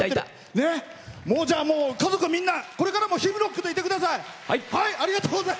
家族みんな、これからもヒムロックでいてください。